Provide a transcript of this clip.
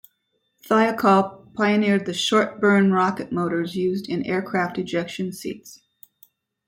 Thiokol pioneered the short-burn rocket motors used in aircraft ejection seats.